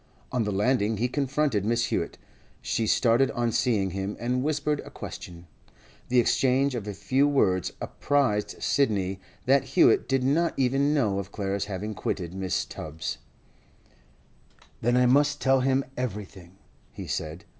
On the landing he confronted Mrs. Hewett; she started on seeing him, and whispered a question. The exchange of a few words apprised Sidney that Hewett did not even know of Clara's having quitted Mrs. Tubbs'. 'Then I must tell him everything,' he said.